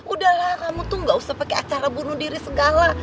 udahlah kamu tuh gak usah pakai acara bunuh diri segala